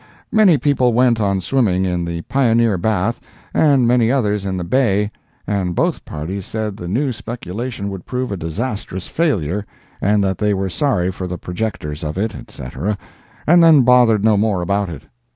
Many people went on swimming in the pioneer bath, and many others in the Bay, and both parties said the new speculation would prove a disastrous failure, and that they were sorry for the projectors of it, etc., and then bothered no more about it.